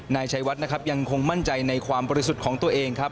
นายชัยวัดนะครับยังคงมั่นใจในความบริสุทธิ์ของตัวเองครับ